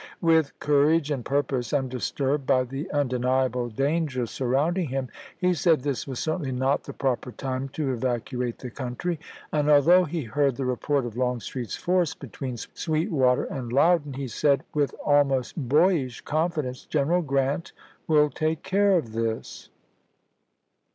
With courage and purpose, undisturbed by the undeniable dangers surrounding him, he said this was certainly not the proper time to evacuate the country; and al though he heard the report of Longstreet's force between Sweetwater and Loudon, he said, with al most boyish confidence, " Greneral Grant will take care of this."